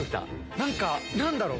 何か何だろう。